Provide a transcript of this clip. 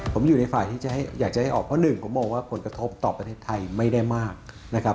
ผมอยู่ในฝ่ายที่จะอยากจะให้ออกเพราะหนึ่งผมมองว่าผลกระทบต่อประเทศไทยไม่ได้มากนะครับ